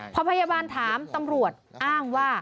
พอพยาบาลถามตำรวจอ้างว่า